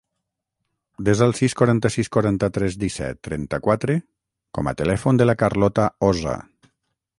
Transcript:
Desa el sis, quaranta-sis, quaranta-tres, disset, trenta-quatre com a telèfon de la Carlota Osa.